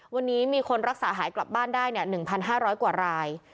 วันนี้มีคนรักษาหายกลับบ้านได้๑๕๐๐กว่าราย